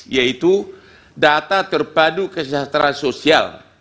yaitu data terpadu kesejahteraan sosial